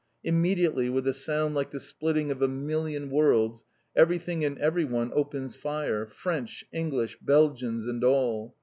Immediately, with a sound like the splitting of a million worlds, everything and everyone opens fire, French, English, Belgians, and all.